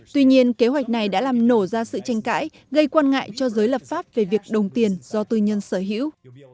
tuy nhiên kế hoạch này đã làm nổ ra sự tranh cãi gây quan ngại cho giới lập pháp về việc đồng tiền do tư nhân sở hữu